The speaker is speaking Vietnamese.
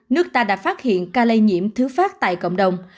nước ta đã phát hiện ca lây nhiễm thứ phát tại cộng đồng